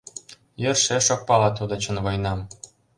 Йӧршеш ок пале тудо чын войнам.